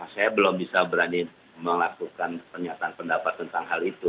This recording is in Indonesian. saya belum bisa berani melakukan pernyataan pendapat tentang hal itu